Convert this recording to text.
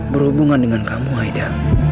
berhubungan dengan kamu aida